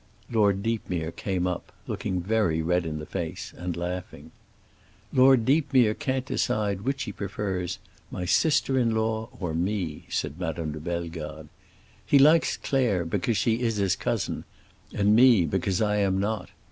Lord Deepmere came up, looking very red in the face, and laughing. "Lord Deepmere can't decide which he prefers, my sister in law or me," said Madame de Bellegarde. "He likes Claire because she is his cousin, and me because I am not.